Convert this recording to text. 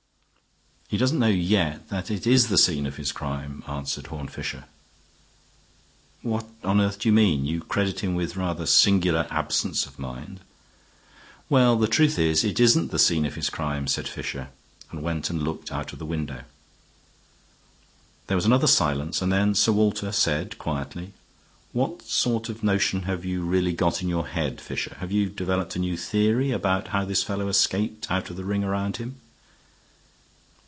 "He doesn't know yet that it is the scene of his crime," answered Horne Fisher. "What on earth do you mean? You credit him with rather singular absence of mind." "Well, the truth is, it isn't the scene of his crime," said Fisher, and went and looked out of the window. There was another silence, and then Sir Walter said, quietly: "What sort of notion have you really got in your head, Fisher? Have you developed a new theory about how this fellow escaped out of the ring round him?"